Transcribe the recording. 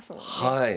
はい。